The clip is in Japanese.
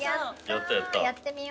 やってみよ。